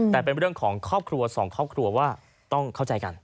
แต่เป็นเรื่องของครอบครัวสองครอบครัวว่าต้องเข้าใจกัน